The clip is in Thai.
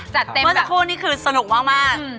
เมื่อจะพูดนี่คือสนุกมาก